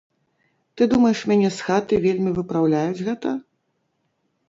Ты думаеш, мяне з хаты вельмі выпраўляюць гэта?